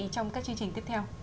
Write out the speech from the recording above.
trong các chương trình tiếp theo